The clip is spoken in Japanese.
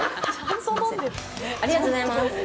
ありがとうございます。